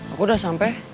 aku udah sampai